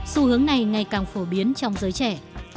xu hướng này ngày càng phổ biến trong giới trẻ